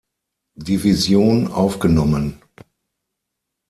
Division aufgenommen.